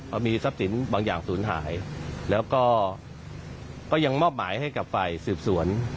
เอามีทรัพย์สินบางอย่างศูนย์หายแล้วก็ก็ยังมอบหมายให้กับฝ่ายสืบสวน